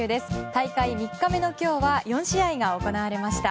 大会３日目の今日は４試合が行われました。